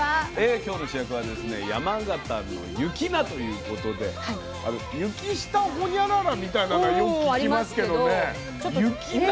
今日の主役はですね山形の雪菜ということで雪下ホニャララみたいなのはよく聞きますけどね雪菜。